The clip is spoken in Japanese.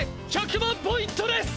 １００万ポイントです！